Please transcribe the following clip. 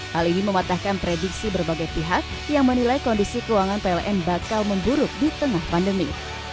hal ini mematahkan prediksi berbagai pihak yang menilai kondisi keuangan pln bakal memburuk di tengah pandemi